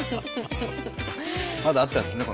まだあったんですね